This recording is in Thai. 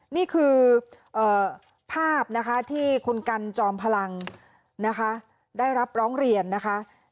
นี่คือภาพนะคะที่คุณกันจอมพลังนะคะได้รับร้องเรียนนะคะ